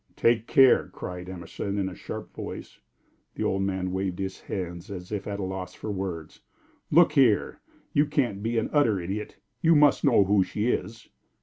"Take care!" cried Emerson, in a sharp voice. The old man waved his hands as if at a loss for words. "Look here! You can't be an utter idiot. You must know who she is."